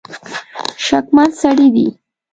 شکمن سړي دي.